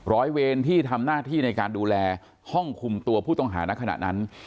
ร้อยเวรที่ทำหน้าที่ในการดูแลห้องคุมตัวผู้ต้องหาในขณะนั้น